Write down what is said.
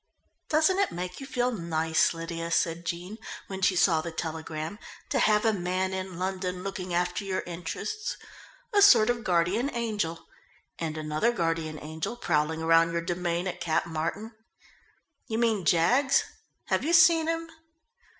"Doesn't it make you feel nice, Lydia," said Jean, when she saw the telegram, "to have a man in London looking after your interests a sort of guardian angel and another guardian angel prowling round your demesne at Cap Martin?" "You mean Jaggs? Have you seen him?"